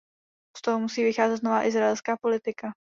Z toho musí vycházet nová izraelská politika.